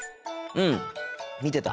うん見てた。